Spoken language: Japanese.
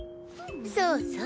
そうそう。